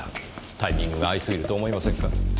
タイミングが合いすぎると思いませんか？